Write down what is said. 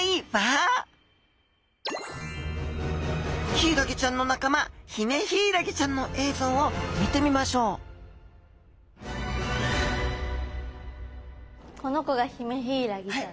ヒイラギちゃんの仲間ヒメヒイラギちゃんの映像を見てみましょうこの子がヒメヒイラギちゃん。